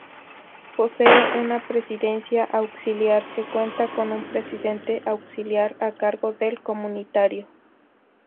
Posee una presidencia auxiliar que cuenta con un Presidente Auxiliar a cargo del comunitario.